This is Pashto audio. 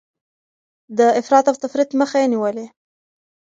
د افراط او تفريط مخه يې نيولې.